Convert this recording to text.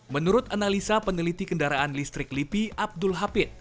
menurut analisa peneliti kendaraan listrik lipi abdul hafid